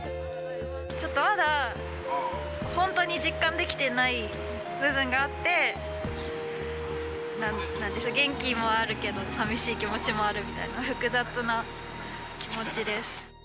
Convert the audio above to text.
ちょっとまだ本当に実感できていない部分があって、なんでしょう、元気もあるけど、さみしい気持ちもあるみたいな、複雑な気持ちです。